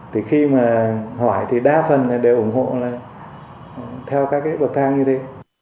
thì khi mà hỏi thì đa phần đều ủng hộ theo các bậc thang như thế